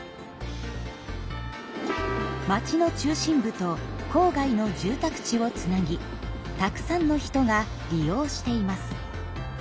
町の中心部と郊外の住宅地をつなぎたくさんの人が利用しています。